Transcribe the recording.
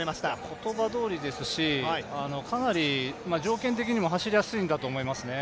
言葉どおりですし、かなり条件的にも走りやすいんだと思いますね。